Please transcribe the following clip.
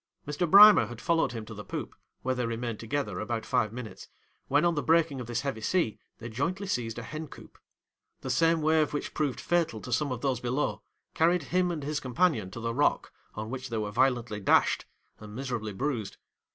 'Mr. Brimer had followed him to the poop, where they remained together about five minutes, when on the breaking of this heavy sea, they jointly seized a hen coop. The same wave which proved fatal to some of those below, carried him and his companion to the rock, on which they were violently dashed and miserably bruised.